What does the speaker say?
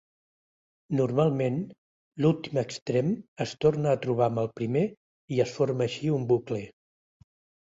Normalment, l'últim extrem es torna a trobar amb el primer i es forma així un bucle.